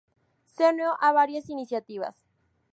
Se unió a varias iniciativas.